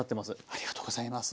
ありがとうございます。